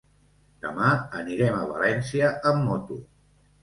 Demà anirem a València amb moto.